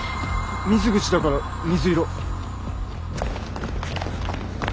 水口だから水色。